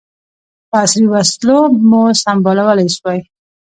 په عصري وسلو مو سمبالولای سوای.